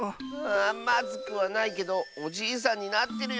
まずくはないけどおじいさんになってるよ。